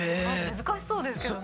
難しそうですけどね。